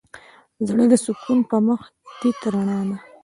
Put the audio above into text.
زړه د سکون په مخ تيت رڼا ده.